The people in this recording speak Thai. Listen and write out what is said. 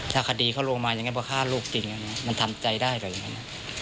ถ้าคดีเขาลงมายังงั้นเพราะฆ่าลูกจริงมันทำใจได้หรือยังงั้น